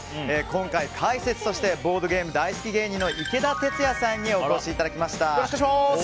今回、解説としてボードゲーム大好き芸人のいけだてつやさんにお越しいただきました。